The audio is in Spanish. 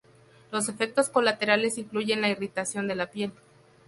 Los efectos colaterales incluyen la irritación de la piel.